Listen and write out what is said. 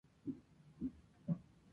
Finalmente se transformó en una oca.